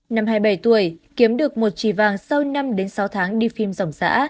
năm hai mươi bảy tuổi kiếm được một chỉ vàng sau năm đến sáu tháng đi phim dòng xã